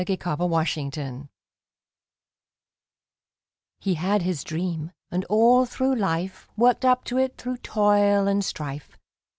HE HAD HIS DREAM He had his dream, and all through life, Worked up to it through toil and strife.